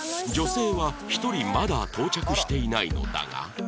女性は１人まだ到着していないのだが